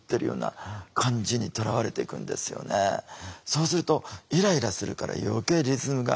そうするとイライラするから余計リズムが壊れていくんですよ。